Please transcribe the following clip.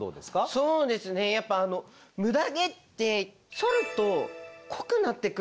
そうですねやっぱムダ毛ってそると濃くなってくるんですよね。